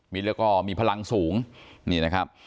มีก่อมีพลังสูงนี่นะครับ